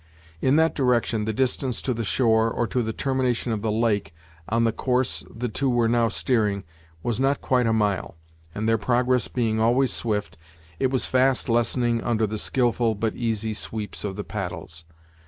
In that direction, the distance to the shore, or to the termination of the lake, on the course the two were now steering, was not quite a mile, and, their progress being always swift, it was fast lessening under the skilful, but easy sweeps of the paddles.